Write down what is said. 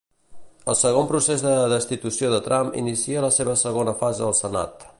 El segon procés de destitució de Trump inicia la seva segona fase al Senat.